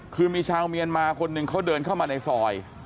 คือมีชาวเมียนมาคนหนึ่งเขาเดินเข้ามาในซอย